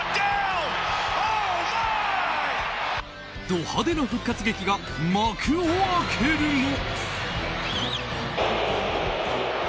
ド派手な復活劇が幕を開けるも。